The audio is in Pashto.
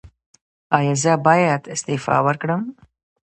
ایا زه باید استعفا ورکړم؟